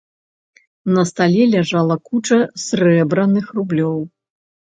На стале ляжала куча срэбраных рублёў.